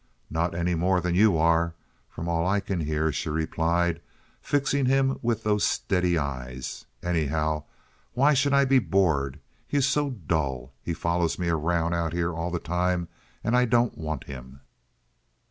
"Not any more than you are, from all I can hear," she replied, fixing him with those steady eyes. "Anyhow, why should I be bored? He is so dull. He follows me around out here all the time, and I don't want him."